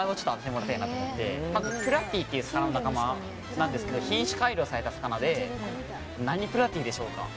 プラティっていう魚の仲間なんですけど品種改良された魚で何プラティでしょうか？